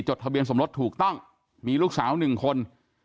จดทะเบียนสมรสถูกต้องมีลูกสาว๑คน